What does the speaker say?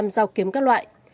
ba mươi năm dao kiếm các loại